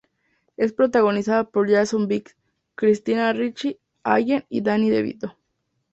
Es protagonizada por Jason Biggs, Christina Ricci, Allen y Danny DeVito.